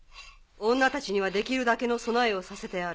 女たちにはできるだけの備えをさせてある。